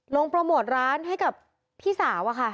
โปรโมทร้านให้กับพี่สาวอะค่ะ